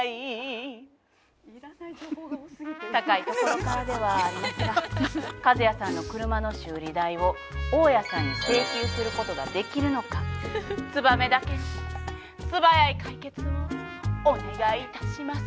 高いところからではありますがカズヤさんの車の修理代を大家さんに請求することができるのかツバメだけに素早い解決をお願いいたします。